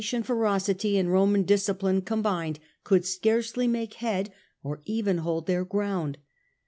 The Age of the Antonines, ferocity and Roman discipline combined could scarcely make head or even hold their ground.